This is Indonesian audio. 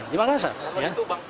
di makassar ya